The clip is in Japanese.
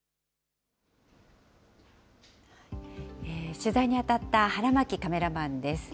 取材に当たった腹巻カメラマンです。